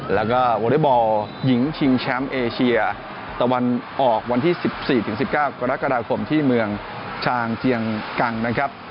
แล้วก็วอเล็กบอลหญิงชิงแชมป์เอเชียตะวันออกวันที่๑๔๑๙กรกฎาคมที่เมืองชางเจียงกังนะครับ